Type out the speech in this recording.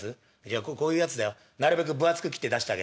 じゃこういうやつだよ。なるべく分厚く切って出してあげな」。